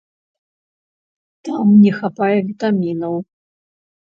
Там не хапае вітамінаў.